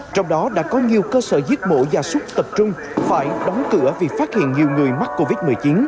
trong đó đã có nhiều cơ sở riết mổ da sốt tập trung phải đóng cửa vì phát hiện nhiều người mắc covid một mươi chín